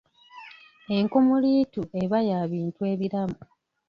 Enkumuliitu eba ya bintu ebiramu.